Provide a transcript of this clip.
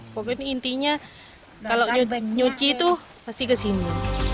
pokoknya intinya kalau nyuci itu pasti kesini